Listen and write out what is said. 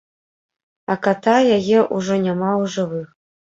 А ката яе ўжо няма ў жывых.